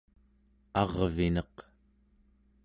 arvineq